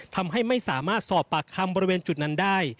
ทำให้ไม่สามารถสอบปากคำบริเวณจุดนั้นได้